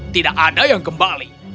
tidak ada yang kembali